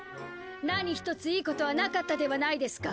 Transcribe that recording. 何一ついいことはなかったではないですか。